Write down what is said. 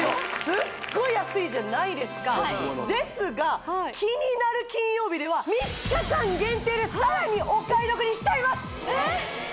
すっごい安いじゃないですかですが「キニナル金曜日」では３日間限定でさらにお買い得にしちゃいますえっ！？